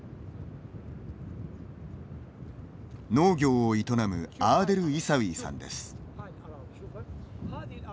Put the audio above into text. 農業を営むアーデル・イサウィさんです。